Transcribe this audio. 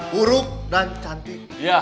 buruk dan cantik